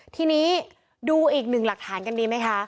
ทีนี้ดูอีกหนึ่งหลักฐานกันดีไหมคะ